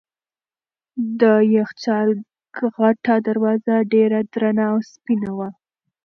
د یخچال غټه دروازه ډېره درنه او سپینه وه.